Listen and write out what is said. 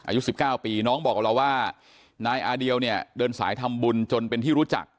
อายุ๑๙ปีน้องบอกกับเราว่านายอาเดียวเนี่ยเดินสายทำบุญจนเป็นที่รู้จัก